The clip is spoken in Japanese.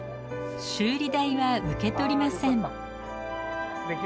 修理代は受け取りません。